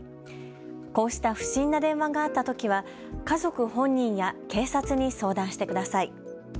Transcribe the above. こうした不審な電話があったときは家族本人や警察に相談してください。